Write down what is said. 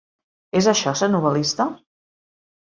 És això, ser novel·lista?